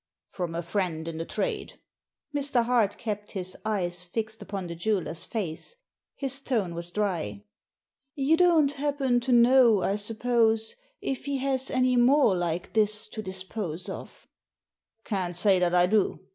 " From a friend in the trade." Mr. Hart kept his eyes fixed upon the jeweller's face. His tone was dry. " You don't happen to know, I suppose, if he has any more like this to dispose of? "" Can't say that I do.